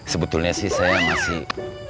sebetulnya sih saya masih